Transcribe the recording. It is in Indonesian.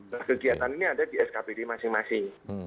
nah kegiatan ini ada di skpd masing masing